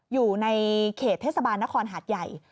อยู่ในเขตเทศบาลนครหาดใหญ่